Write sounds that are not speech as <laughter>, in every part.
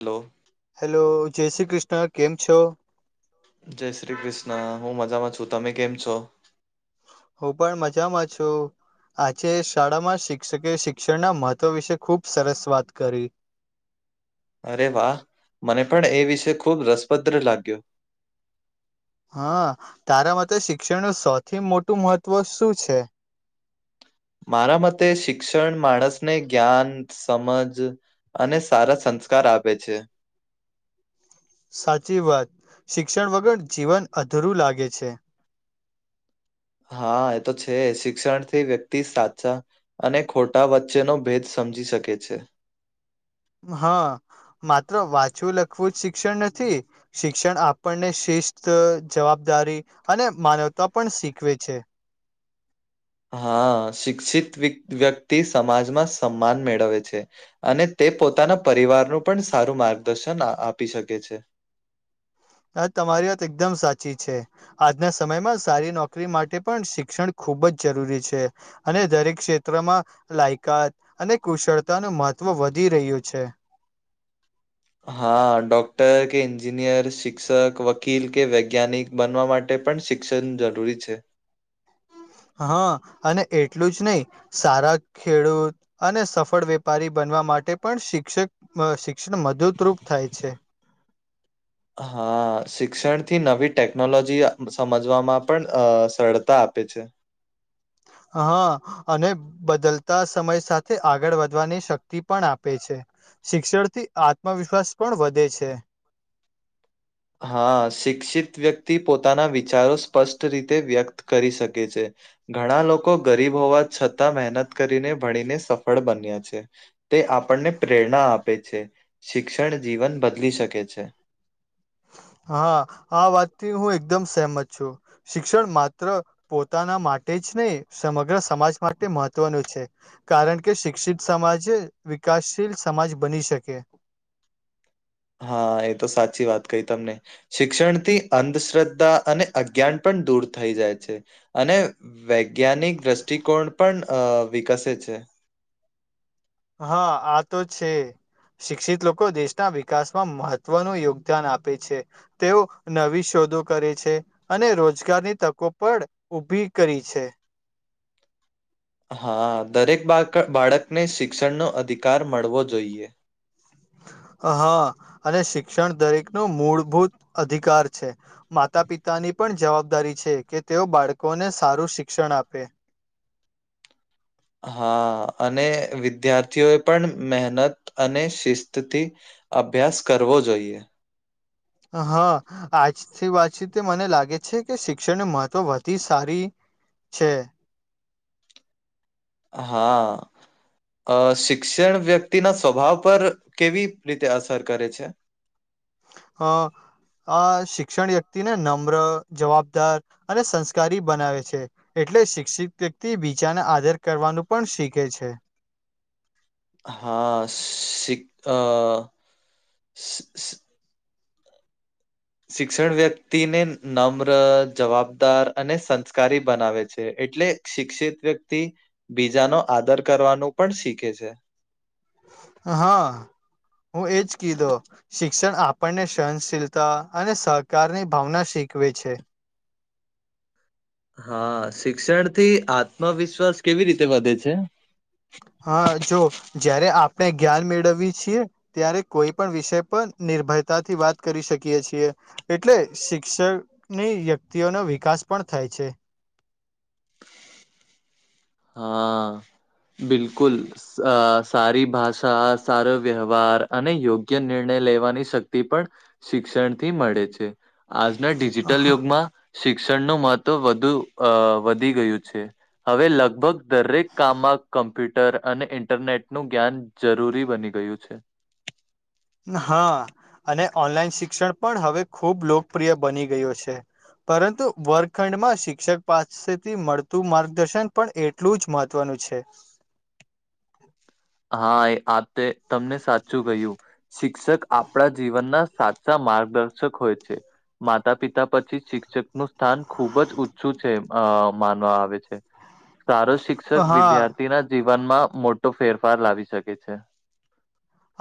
હાલો. Hello જય શ્રી કૃષ્ણ કેમ છો? જય શ્રી કૃષ્ણ હું મજામાં છું તમે કેમ છો? હું પણ મજામાં છું. આજે શાળામાં શિક્ષકે શિક્ષણના મહત્વ વિશે ખુબ સરસ વાત કરી. અરે વાહ મને પણ એ વિષ ખુબ રસપદ્ર લાગ્યું. હા તારા મતે શિક્ષણનું સૌથી મોટું મહત્વ શું છે? મારા મતે શિક્ષણ માણસને જ્ઞાન, સમજ અને સારા સંસ્કાર આપે છે. સાચી વાત શિક્ષણ વગર જીવન અધરું લાગે છે. હા એ તો છે શિક્ષણ થી વ્યક્તિ સાચા અને ખોટા વચ્ચેનો ભેદ સમજી શકે છે. હ માત્ર વાંચવું લખવું જ શિક્ષણ નથી શિક્ષણ આપણને શિસ્ત જવાબદારી અને માનવતા પણ શીખવે છે. હા શિક્ષિત વ્યક્તિ સમાજમાં સન્માન મેળવે છે. અને તે પોતાના પરિવારનું પણ સારું માર્ગદર્શન આપી શકે છે. હા તમારી વાત એકદમ સાચી છે. આજના સમયમાં સારી નોકરી માટે પણ શિક્ષણ ખૂબ જ જરૂરી છે. અને દરેક ક્ષેત્રમાં લાયકાત અને કુશળતાનુ મહત્વ વધી રહ્યું છે. હા ડોક્ટર કે એન્જિનિયર, શિક્ષક, વકીલ કે વૈજ્ઞાનિક બનવા માટે પણ શિક્ષણ જરૂરી છે. હ અને એટલું જ નહીં સારાં ખેડૂ અને સફળ વેપારી બનવા માટે પણ શિક્ષક મ શિક્ષણ મદુદરૂપ થાય છે. હા શિક્ષણથી નવી ટેકનોલોજી સમજવામાં પણ અ સરળતા આપે છે. હ અને બદલતાં સમય સાથે આગળ વધવાની શક્તિ પણ આપે છે. શિક્ષળથી આત્મવિશ્વાસ પણ વધે છે. હા શિક્ષિત વ્યક્તિ પોતાનાં વિચારો સ્પષ્ટ રીતે વ્યક્ત કરી શકે છે. ઘણાં લોકો ગરીબ હોવા છતાં મહેનત કરીને ભણીને સફળ બન્યાં છે. તે આપણને પ્રેરણા આપે છે, શિક્ષણ જીવન બદલી શકે છે. હા આ વાતથી હું એકદમ સહેમત છું. શિક્ષણ માત્ર પોતાનાં માટે જ નહીં સમગ્ર સમાજ માટે મહત્વનું છે. કારણ કે શિક્ષિત સમાજે વિકાસશીલ સમાજ બની શકે હા એ તો સાચી વાત કઈ તમને શિક્ષણથી અંધશ્રદ્ધા અને અજ્ઞાન પણ દૂર થઈ જાય છે, અને વૈજ્ઞાનિક દ્રષ્ટિકોણ પણ અ વિકસે છે. હ આ તો છે. શિક્ષિત લોકો દેશના વિકાસમાં મહત્વનું યોગદાન આપે છે. તેઓ નવી શોધો કરે છે. અને રોજગારની તકો પણ ઊભી કરી છે. હા દરેક બાક બાળકને શિક્ષણનો અધિકાર મળવો જોઈએ. હા અને શિક્ષણ દરેકનો મૂળભૂત અધિકાર છે. માતા પિતાની પણ જવાબદારી છે, કે તેઓ બાળકોને સારું શિક્ષણ આપે હા અને વિદ્યાર્થીઓએ પણ મહેનત અને શિસ્તથી અભ્યાસ કરવો જોઈએ. હા આજથી વાતચીત મને લાગે છે, કે શિક્ષણનું મહત્વ વધી સારી છે. હા. અ શિક્ષણ વ્યક્તિના સ્વભાવ પર કેવી રીતે અસર કરે છે. હ. અ શિક્ષણ વ્યક્તિને નમ્ર, જવાબદાર અને સંસ્કારી બનાવે છે. એટલે શિક્ષિત વ્યક્તિ બીજાને આદર કરવાનું પણ શીખે છે. હા શી અ <unintelligible> શિક્ષણ વ્યક્તિને નમ્ર, જવાબદાર અને સંસ્કારી બનાવે છે, એટલે શિક્ષિત વ્યક્તિ બીજાનો આદર કરવાનું પણ શીખે છે. હા હું એજ કીધો શિક્ષણ આપણને સહનશીલતા અને સહકારની ભાવના શીખવે છે. હા શિક્ષણથી આત્મવિશ્વાસ કેવી રીતે વધે છે? હા જો જયારે આપણે જ્ઞાન મેળવી છીએ ત્યારે કોઈ પણ વિષય પર નિર્ભયતાથી વાત કરી શકીએ છીએ. એટલે શિક્ષકની વ્યક્તિઓનો વિકાસ પણ થાય છે. હા બિલકુલ સ સારી ભાષા સારો વ્યવહાર અને યોગ્ય નિર્ણય લેવાની શક્તિ પણ શિક્ષણથી મળે છે આજના ડિજિટલ યુગમાં શિક્ષણનું મહત્વ વધુ અ વધી ગયું છે, હવે લ ભગ દરેક કામમાં કમ્પ્યુટર અને ઇન્ટરનેટનું જ્ઞાન જરૂરી બની ગયું છે. હા અને ઓનલાઈન શિક્ષણ પણ હવે ખુબ લોકપ્રિય બની ગયો છે. પરંતુ વર્ગખંડમાં શિક્ષક પાસેથી મળતું માર્ગદર્શન પણ એ એટલું જ મહત્વનું છે. હા એ આ તમને સાચું કહ્યું શિક્ષક આપણા જીવનના માર્ગદર્શક હોય છે. માતા પિતા પછી શિક્ષક નું સ્થાન ખુબ જ ઊંચું છે અ માનવા આવે છે. સારો શિક્ષક હા વિદ્યાર્થી ના જીવનમાં મોટો ફેરફાર લાવી શકે છે.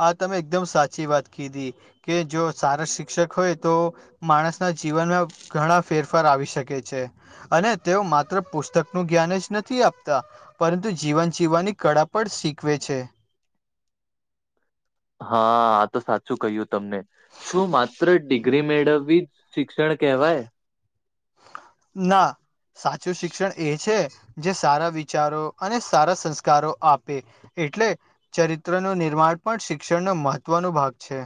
આ તમે એકદમ સાચી વાત કીધી કે જો સારા શિક્ષક હોય તો માણસના જીવનમાં ઘણા ફેરફાર આવી શકે છે. અને તેઓ માત્ર પુસ્તક નું જ્ઞાન જ નથી આપતા પરંતુ જીવન જીવવાની કળા પણ શીખવે છે. હા આ તો સાચું કહ્યું તમને શું માત્ર ડિગ્રી મેળવવી જ શિક્ષણ કેવાય ના સાચું શિક્ષણ એ છે જે સારા વિચારો અને સારા સંસ્કારો આપે એટલે ચરિત્ર નું નિર્માણ પણ શિક્ષણનો મહત્વનો ભાગ છે.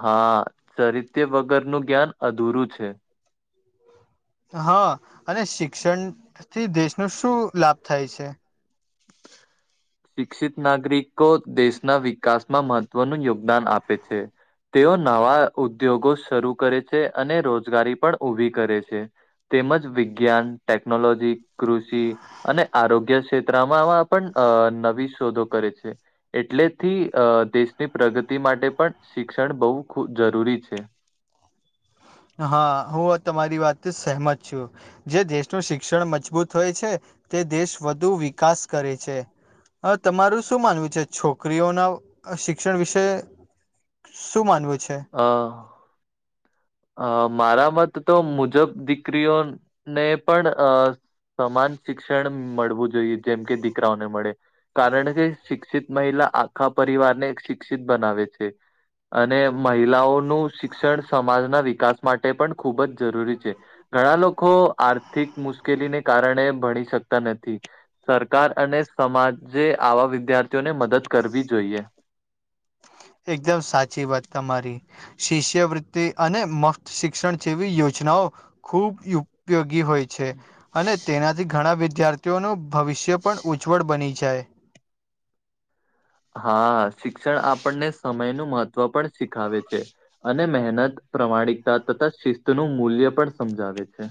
હા ચરિત્ર વગરનું જ્ઞાન અધૂરું છે. હા અને શિક્ષણ થી દેશનો શું લાભ થાય છે. શિક્ષિત નાગરિકો દેશના વિકાસમાં મહત્વનું યોગદાન આપે છે. તેઓ નવા ઉદ્યોગો શરૂ કરે છે અને રોજગારી પણ ઊભી કરે છે. તેમજ વિજ્ઞાન ટેકનોલોજી કૃષિ અને આરોગ્ય ક્ષેત્રમાં <unintelligible> પણ નવી શોધો કરે છે. એટલેથી અ દેશની પ્રગતિ માટે પણ શિક્ષણ બહુ ખુબ જરૂરી છે. હા હું તમારી વાતથી સહમત છું. જે દેશનું શિક્ષણ મજબૂત હોય છે તે દેશ વધુ વિકાસ કરે છે. હ તમારું શું માનવું છે છોકરીઓના શિક્ષણ વિશે શું માનવું છે. હ અ મારા મત તો મુજબ દીકરીઓને પણ અ સમાન શિક્ષણ મળવું જોઈએ જેમ કે દીકરાઓને મળે કારણ કે શિક્ષિત મહિલા આખા પરિવાર ને એક શિક્ષિત બનાવે છે. અને મહિલાઓનું શિક્ષણ સમાજના વિકાસ માટે પણ ખૂબ જ જરૂરી છે. ઘણા લોકો આર્થિક મુશ્કેલીને કારણે ભણી શકતા નથી. સરકાર અને સમાજે આવા વિદ્યાર્થીઓને મદદ કરવી જોઈએ એકદમ સાચી વાત તમારી શિષ્યવૃતિ અને મક્ત શિક્ષણ જેવી યોજનાઓ ખૂબ યોગ ઉપયોગી હોય છે અને તેનાથી ઘણા વિદ્યાર્થી તેનું ભવિષ્ય પણ ઉજ્જવળ બની જાય. હા શિક્ષણ આપણને સમય નું મહત્ત્વ પણ શીખાવે છે. અને મહેનત પ્રામાણિકતા તથા શિસ્ત નું મૂલ્ય પણ સમજાવે છે.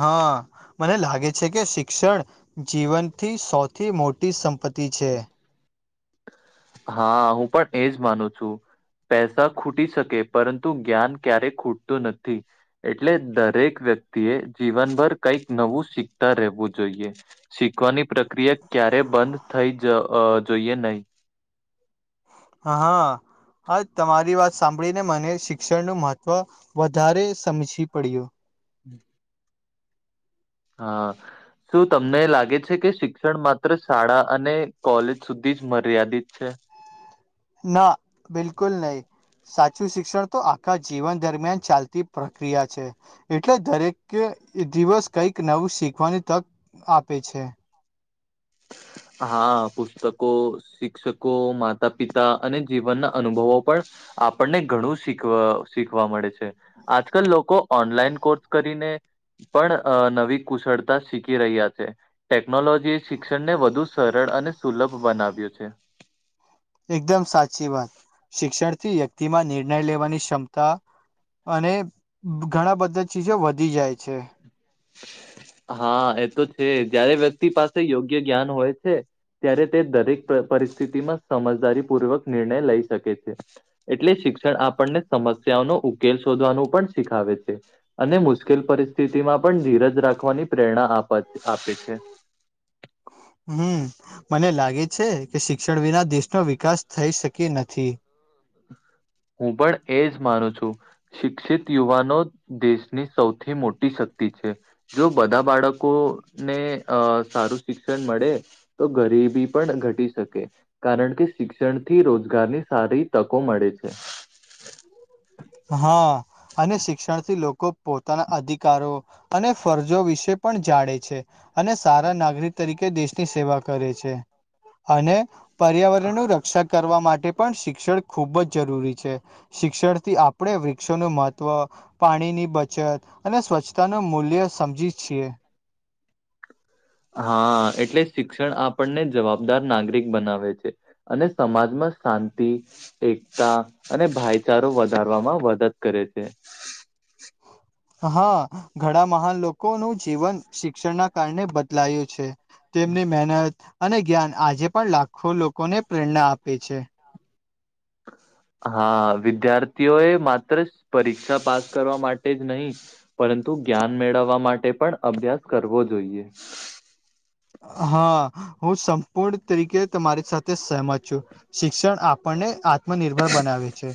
હા મને લાગે છે કે શિક્ષણ જીવનથી સૌથી મોટી સંપત્તિ છે. હા હું પણ એજ માનું છું. પૈસા ખૂટી શકે પરંતુ જ્ઞાન ક્યારે ખૂટતું નથી. એટલે દરેક વ્યક્તિ એ જીવનભર કઈક નવું શીખતા રહેવું જોઈએ. શીખવાની પ્રક્રિયા ક્યારે બંધ થઇ જ જોઈએ નહી. હા હા હા તમારી વાત સાંભળીને મને શિક્ષણ ન મહત્ત્વ વધારે સમજીવી પડ્યું બ <inaudible> હા શું તમને લાગે છે કે શિક્ષણ માત્ર શાળા અને કોલેજ સુધી જ મર્યાદિત છે ના બિલકુલ નહી સાચું શિક્ષણ તો આખા જીવન દરમિયાન ચાલતી પ્રક્રિયા છે એટલે દરેકે દિવસ કઈક નવું શીખવાની તક આપે છે હા પુસ્તકો શિક્ષકો માતા પિતા અને જીવનના અનુભવો પણ આપણને ઘણું શીખવા શીખવા મળે છે આજકાલ લોકો ઓનલાઈન કોર્સ કરીને પણ નવી કુશળતા શીખી રહ્યા છે ટેકનોલોજી શિક્ષણ ને વધુ સરળ અને સુલભ બનાવ્યું છે એકદમ સાચી વાત શિક્ષણથી વ્યક્તિમાં નિર્ણય લેવાની ક્ષમતા અને ઘણા બધા ચીજો વધી જાય છે હા એ તો છે જયારે વ્યક્તિ પાસે યોગ્ય જ્ઞાન હોય છે ત્યારે તે દરેક પરિસ્થિતિમાં સમજદારી પૂર્વક નિર્ણય લઈ શકે છે એટલે શિક્ષણ આપણને સમસ્યાઓનો ઉકેલ શોધવાનું પણ શીખાવે છે અને મુશ્કેલ પરિસ્થિતિ માં પણ ધીરજ રાખવાની પ્રેરણા આપે છે <inaudible> હમ મને લાગે છે કે શિક્ષણ વિના દેશનો વિકાસ થઈ શકી નથી હું પણ એજ માનું છું શિક્ષિત યુવાનો દેશની સૌથી મોટી શક્તિ છે જો બધા બાળકો ને અ સારું શિક્ષણ મળે તો ગરીબી પણ ઘટી શકે કારણ કે શિક્ષણ થી રોજગારની સારી તકો મળે છે હા અને શિક્ષણથી લોકો પોતાના અધિકારો અને ફરજો વિશે પણ જાણે છે અને સારા નાગરિક તરીકે દેશની સેવા કરે છે અને પર્યાવરણનું રક્ષા કરવા માટે પણ શિક્ષણ ખૂબ જ જરૂરી છે શિક્ષણથી આપ આપણે વૃક્ષોનું મહત્ત્વ પાણીની બચત અને સ્વચ્છતા ન મૂલ્ય સમજી છીએ હા એટલે શિક્ષણ આપણને જવાબદાર નાગરિક બનાવે છે અને સમાજમાં શાંતિ એકતા અને ભાઈચારો વધારવામાં મદદ કરે છે <inaudible> હા ઘણા મહાન લોકો નું જીવન શિક્ષણ ના કારણે બદલાયું છે તેમની મહેનત અને જ્ઞાન આજે પણ લાખો લોકોને પ્રેરણા આપે છે. હા વિદ્યાર્થીઓ એ માત્ર પરીક્ષા પાસ કરવા માટે જ નહીિ પરંતુ જ્ઞાન મેળવવા માટે પણ અભ્યાસ કરવો જોઈએ હા હું સંપૂર્ણ તરીકે તમારી સાથે સહમત છું શિક્ષણ આપ આપને આત્મનિર્ભર બનાવે છે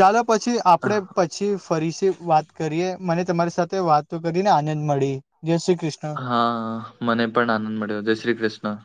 ચાલો પછી આપણે પછી ફરીથી વાત કરીએ મને તમારી સાથે વાતો કરીને આનંદ મળી જય શ્રી કૃષ્ણ હા મને પણ આનંદ મળ્યો જય શ્રી કૃષ્ણ